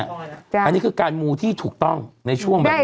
อันนี้คือการมูที่ถูกต้องในช่วงแบบนี้